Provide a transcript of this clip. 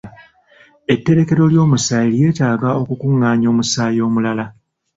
Etterekero ly'omusaayi lyeetaaga okukungaanya omusaayi omulala.